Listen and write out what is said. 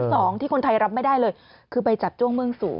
สองที่คนไทยรับไม่ได้เลยคือไปจับจ้วงเบื้องสูง